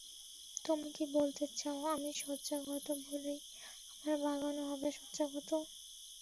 তুমি কি বলতে চাও আমি শয্যাগত বলেই আমার বাগানও হবে শয্যাগত।